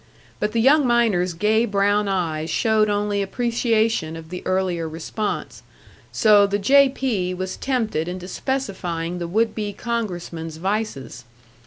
But the young miner's gay brown eyes showed only appreciation of the earlier response; so the "J. P." was tempted into specifying the would be congressman's vices.